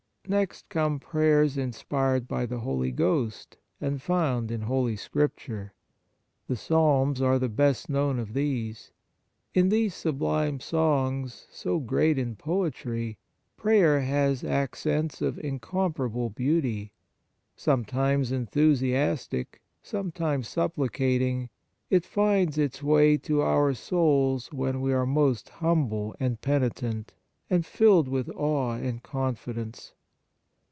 Next come prayers inspired by the Holy Ghost, and found in Holy Scripture. The Psalms are the best known of these. In these sublime songs, so great in poetry, prayer has accents of incomparable beauty ; sometimes enthusiastic, sometimes supplicating, it finds its way to our souls when we are most humble and penitent, and filled with awe and confidence.